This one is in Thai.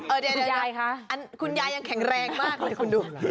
เดี๋ยวคุณยายยังแข็งแรงมากเลยคุณดู